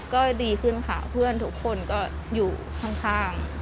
ก็ดีขึ้นค่ะเพื่อนทุกคนก็อยู่ข้าง